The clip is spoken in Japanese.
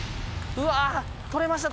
うわ取れました！